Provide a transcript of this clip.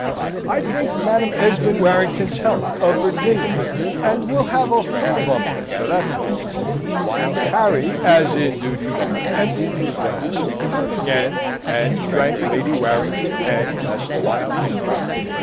I drink Madam Esmond Warrington's health, of Virginia, and will have a full bumper for that toast." Harry, as in duty bound, emptied his glass, filled again, and drank Lady Warrington and Master Miles.